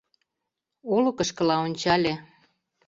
Олыкышкыла ончале.